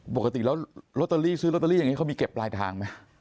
ปกติแล้วลอตเตอรี่ซื้อลอตเตอรี่อย่างนี้เขามีเก็บปลายทางไหม